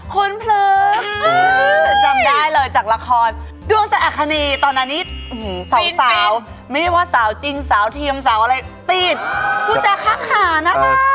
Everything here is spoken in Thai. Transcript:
คุ้นเเผริส